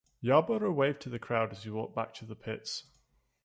Yarborough waved to the crowd as he walked back to the pits.